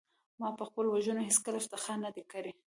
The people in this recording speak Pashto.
ما په خپلو وژنو هېڅکله افتخار نه دی کړی